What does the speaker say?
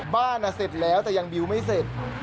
บ้านเสร็จแล้วแต่ยังบิวไม่เสร็จ